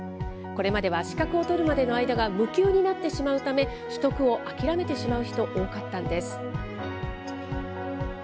これまでは資格を取るまでの間が無給になってしまうため、取得を諦めてしまう人、多かったんです。